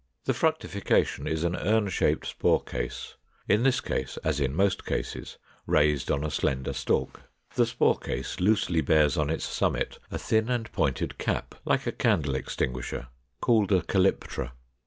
The fructification is an urn shaped spore case, in this as in most cases raised on a slender stalk. The spore case loosely bears on its summit a thin and pointed cap, like a candle extinguisher, called a Calyptra.